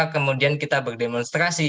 kemudian kita berdemonstrasi